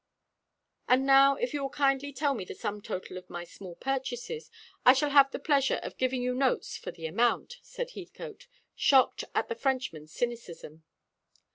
"And now if you will kindly tell me the sum total of my small purchases, I shall have great pleasure in giving you notes for the amount," said Heathcote, shocked at the Frenchman's cynicism.